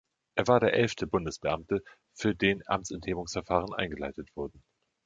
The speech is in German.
Er war der elfte Bundesbeamte, für den Amtsenthebungsverfahren eingeleitet wurden.